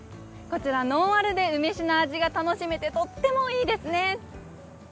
こちらノンアルで梅酒の味が楽しめてとってもいいですね。